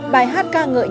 bài hát ca ngợi nhạc